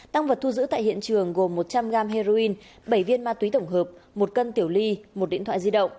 tăng vật thu giữ tại hiện trường gồm một trăm linh g heroin bảy viên ma túy tổng hợp một cân tiểu ly một điện thoại